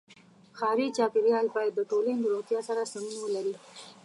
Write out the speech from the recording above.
ښاري چاپېریال باید د ټولنې د روغتیا سره سمون ولري.